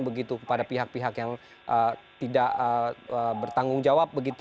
begitu kepada pihak pihak yang tidak bertanggung jawab